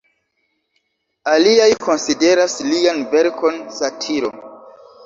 Aliaj konsideras lian verkon satiro.